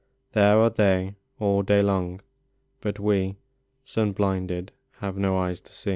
There are they all day long ; but we, Sun blinded, have no eyes to see.